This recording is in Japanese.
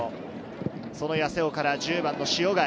その八瀬尾から１０番の塩貝。